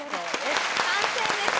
完成です！